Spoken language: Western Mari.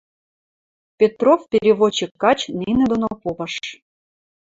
Петров переводчик гач нинӹ доно попыш.